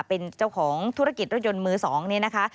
เป็นเจ้าของธุรกิจรถยนต์มือ๒นี่นะคะ